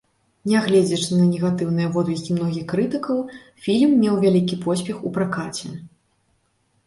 Нягледзячы на негатыўныя водгукі многіх крытыкаў, фільм меў вялікі поспех у пракаце.